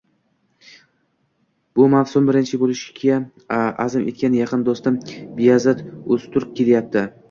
bu mavsum birinchi bo‘lishga azm etgan yaqin do‘stim Beyazit O‘zturk kelayapti.